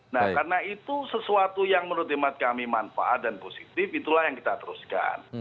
nah karena itu sesuatu yang menurut imat kami manfaat dan positif itulah yang kita teruskan